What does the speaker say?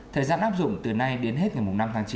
thời gian áp dụng từ nay đến hết ngày năm tháng chín